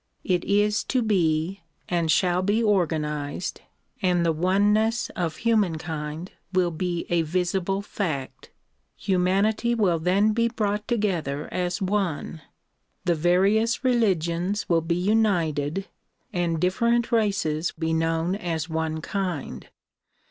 It is to be and shall be organized and the oneness of humankind will be a visible fact. Humanity will then be brought together as one. The various religions will be united and different races be known as one kind.